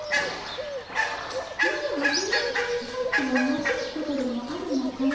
マロがヘイアンチョウに帰ってはマズいことでもあるのかの？